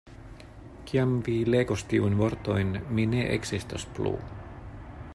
Kiam vi legos tiujn vortojn, mi ne ekzistos plu.